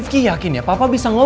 tidak ada akum